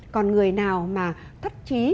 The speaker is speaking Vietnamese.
còn người nào mà thất trí